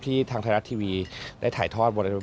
ที่ทางไทยรัฐทีวีได้ถ่ายทอด